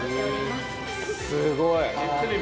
すごい。